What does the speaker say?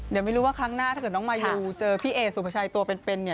เดี๋ยวไม่รู้ว่าครั้งหน้าถ้าเกิดน้องมายูเจอพี่เอสุภาชัยตัวเป็นเนี่ย